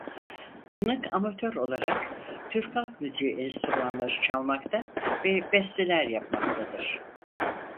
Kınık amatör olarak Türk halk müziği enstrümanları çalmakta ve besteler yapmaktadır.